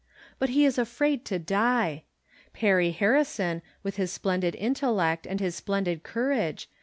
But he is afraid to die ! Perry Har rison, with his splendid intellect and his splendid courage!